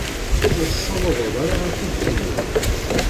Ur tessawaḍeḍ ara ad t-id-tiniḍ.